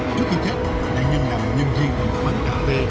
trước khi chết nạn nhân làm nhân viên bán cà phê